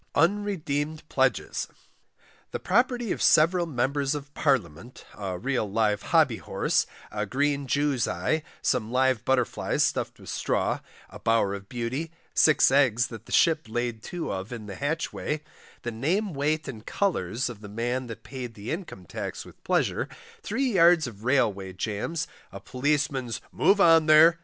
UNREDEEMED PLEDGES, The Property of several Members of Parliament, a real Live Hobby Horse, a Green Jew's Eye, some Live Butterflies stuffed with Straw, the Bower of Beauty, Six Eggs that the Ship laid too of in the Hatchway, the name weight and colours of the Man that paid the Income Tax with pleasure, three yards of Railway Jams, a Policeman's "Move on there!"